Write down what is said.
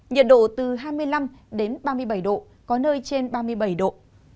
nhiệt độ từ hai mươi năm đến ba mươi bảy độ có nơi trên ba mươi bảy độ